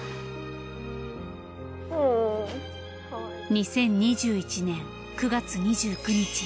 ２０２１年９月２９日